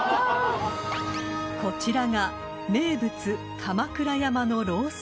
［こちらが名物鎌倉山の］